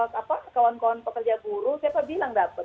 kalau kawan kawan pekerja buruh siapa bilang dapat